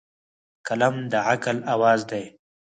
قلم د عقل اواز دی.